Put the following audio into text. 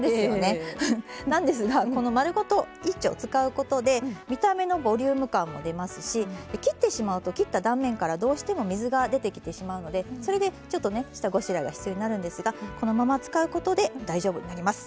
なんですがこの丸ごと１丁使うことで見た目のボリューム感も出ますし切ってしまうと切った断面からどうしても水が出てきてしまうのでそれでちょっとね下ごしらえが必要になるんですがこのまま使うことで大丈夫になります。